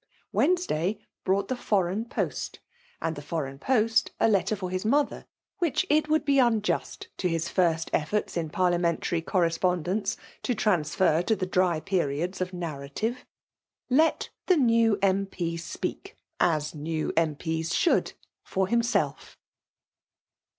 Wednesdiqr hcought the foreign po8l> ^ad the fineign post a letter 184 FE31ALE DOMINATIOX^ for his mother ; t^ch it would be unjust to his first efforts in parliamentary correspondenci, to transfer to the dry periods of narrative. Let the new M.P. speaks — as new M.P.s should, — for himself.